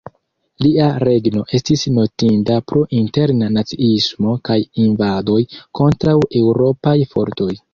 Lia regno estis notinda pro interna naciismo kaj invadoj kontraŭ Eŭropaj fortoj.